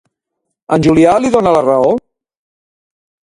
En Julià li dona la raó?